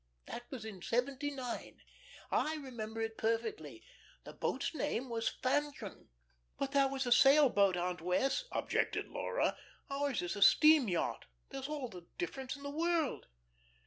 That was in 'seventy nine. I remember it perfectly. The boat's name was 'Fanchon.'" "But that was a sail boat, Aunt Wess'," objected Laura. "Ours is a steam yacht. There's all the difference in the world."